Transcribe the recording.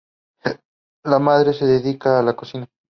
La madre se dedicaba a la cocina.